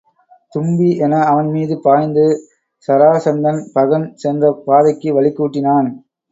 தும்பி என அவன் மீது பாய்ந்து சராசந்தன், பகன் சென்ற பாதைக்கு வழிக் கூட்டினான்.